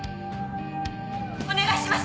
お願いします